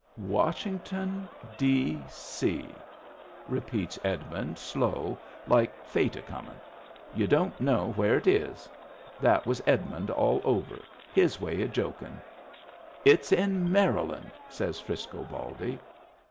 "Washington, D.C.," repeats Edmund slow, like Fate a comin'. "You don't know where it is." That was Edmund all over. His way o' jokin'. " It's in Maryland," says Frisco Baldy.